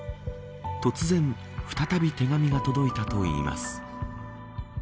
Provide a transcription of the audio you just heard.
突然再び手紙が届いたといいます。